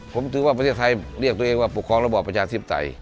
ผมถือว่าประเทศไทยเรียกตัวเองว่าปกครองระบอบประชาธิปไตย